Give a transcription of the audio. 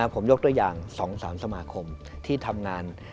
ผมยกตัวอย่าง๒๓สมาคมที่ทำงาน